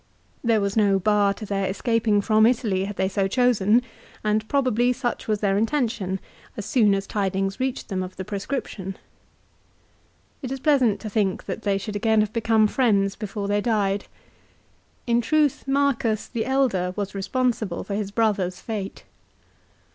There was no bar to their escaping from Italy had they so chosen, and probably such was CICERO'S DEATH. 293 their intention as soon as tidings reached them of the proscription. It is pleasant to think that they should again have become friends before they died. In truth Marcus the elder was responsible for his brother's fate.